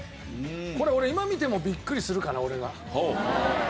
これ俺今見てもビックリするかな俺が。